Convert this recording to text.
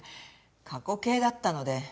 過去形だったので。